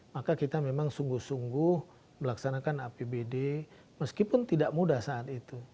maka kita memang sungguh sungguh melaksanakan apbd meskipun tidak mudah saat itu